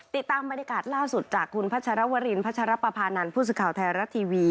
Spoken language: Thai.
ติดตามบรรยากาศล่าสุดจากคุณพระชรวริญพระชรปภานั่นผู้สุข่าวทยาลักษณ์ทีวี